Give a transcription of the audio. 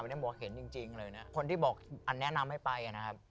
แล้วมันบอกเขียนจริงเลยคนที่บอกรู้อันนี้แนะนำให้ไป